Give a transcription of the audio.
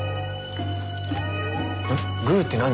グーって何？